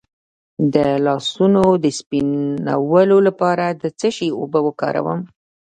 د لاسونو د سپینولو لپاره د څه شي اوبه وکاروم؟